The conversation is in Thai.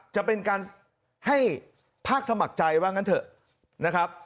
จะเป็นการให้ภาคสมัครใจว่างั้นเถอะนะครับ